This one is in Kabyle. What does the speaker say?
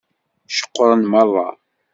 Ceqqṛen meṛṛa.